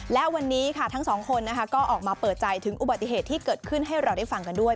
และวันนี้ค่ะทั้งสองคนก็ออกมาเปิดใจถึงอุบัติเหตุที่เกิดขึ้นให้เราได้ฟังกันด้วย